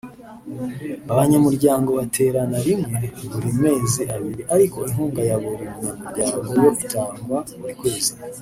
Abanyamuryango baterana rimwe buri mezi abiri ariko inkunga ya buri munyamuryango yo itangwa buri kwezi